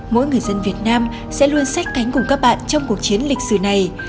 mỗi người dân việt nam sẽ luôn sát cánh cùng các bạn trong cuộc chiến lịch sử này